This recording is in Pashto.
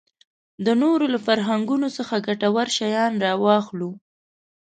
د نورو له فرهنګونو څخه ګټور شیان راواخلو.